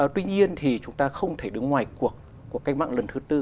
tuy nhiên thì chúng ta không thể đứng ngoài cuộc của cách mạng lần thứ tư